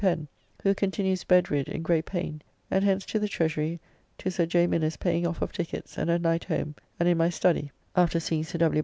Pen, who continues bed rid in great pain, and hence to the Treasury to Sir J. Minnes paying off of tickets, and at night home, and in my study (after seeing Sir W.